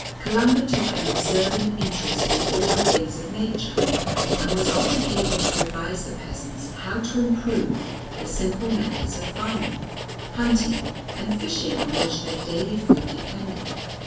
Columba took an observant interest in all the things of nature, and was often able to advise the peasants how to improve the simple methods of farming, hunting, and fishing on which their daily food depended.